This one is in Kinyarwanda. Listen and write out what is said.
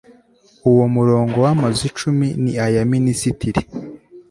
uwo murongo w'amazu icumi ni aya minisitiri